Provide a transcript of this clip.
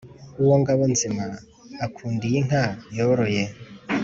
uwo ngabo-nzima akundiye inka yoroye,